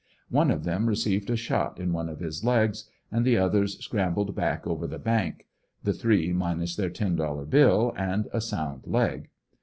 One of them received a shot in one of his legs and the others scram bled back over the bank ; the three minus their $10 bill and a sound leg.